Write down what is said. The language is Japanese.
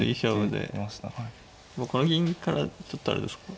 でもこの銀からちょっとあれですか？